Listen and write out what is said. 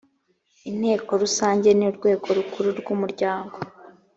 inteko rusange ni urwego rukuru rw umuryango